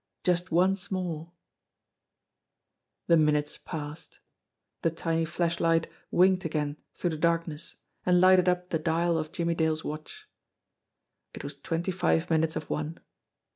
Just once more ! The minutes passed. The tiny flashlight winked again through the darkness and lighted up the dial of Jimmie Dale's watch. It was twenty five minutes of one.